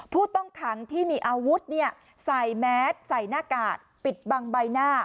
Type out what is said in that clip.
ผู้ต้องขังที่มีอาวุธใส่แมสใส่หน้ากากปิดบังใบหน้า